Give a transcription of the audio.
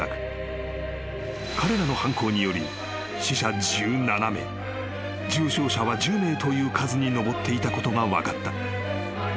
［彼らの犯行により死者１７名重傷者は１０名という数に上っていたことが分かった］